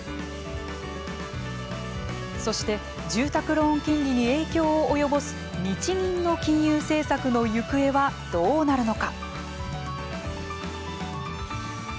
そして住宅ローン金利に影響を及ぼす日銀の金融政策の行方はどうなるのか。